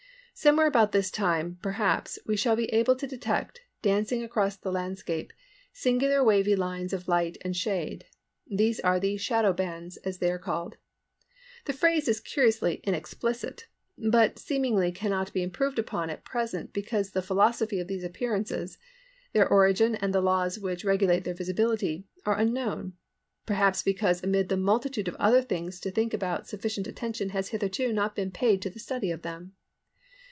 Somewhere about this time perhaps we shall be able to detect, dancing across the landscape, singular wavy lines of light and shade. These are the "Shadow Bands," as they are called. The phrase is curiously inexplicit, but seemingly cannot be improved upon at present because the philosophy of these appearances—their origin and the laws which regulate their visibility—are unknown, perhaps because amid the multitude of other things to think about sufficient attention has hitherto not been paid to the study of them.